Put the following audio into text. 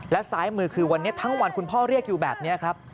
และซ้ายมือคือวันนี้ทั้งวันคุณพ่อเรียกอยู่แบบนี้ครับ